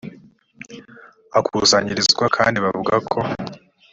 akusanyirizwa kandi bavuga ko